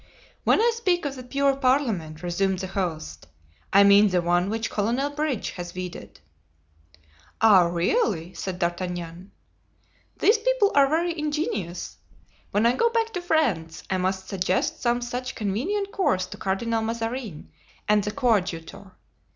"When I speak of the pure parliament," resumed the host, "I mean the one which Colonel Bridge has weeded." "Ah! really," said D'Artagnan, "these people are very ingenious. When I go back to France I must suggest some such convenient course to Cardinal Mazarin and the coadjutor.